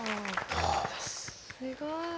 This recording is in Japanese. すごい。